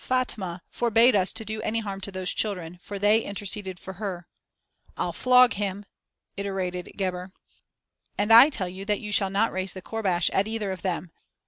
"] Fatma forbade us to do any harm to those children, for they interceded for her " "I'll flog him!" iterated Gebhr. "And I tell you that you shall not raise the courbash at either of them.